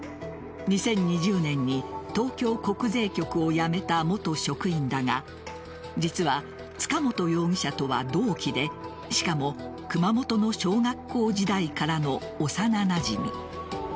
２０２０年に東京国税局を辞めた元職員だが実は塚本容疑者とは同期でしかも熊本の小学校時代からの幼なじみ。